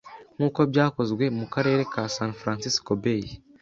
nk'uko byakozwe mu karere ka San Francisco Bay.